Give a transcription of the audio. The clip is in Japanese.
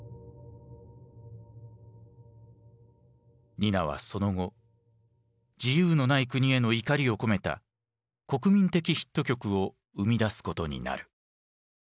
ニナはその後自由のない国への怒りを込めた国民的ヒット曲を生みだすことになる。